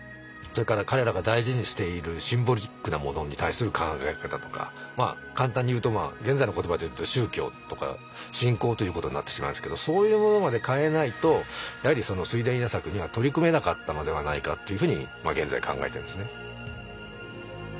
それから彼らが大事にしているシンボリックなものに対する考え方とか簡単に言うと現在の言葉で言うと宗教とか信仰ということになってしまうんですけどそういうものまで変えないとやはり水田稲作には取り組めなかったのではないかっていうふうに現在考えてるんですね。